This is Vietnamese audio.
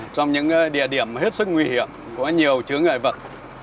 trong những địa điểm hết sức nguy hiểm có nhiều chứa ngại vật